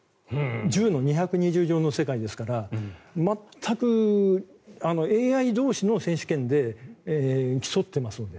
１０の２２０乗の世界ですから全くＡＩ同士の選手権で競っていますので。